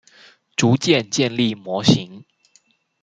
逐漸建立模型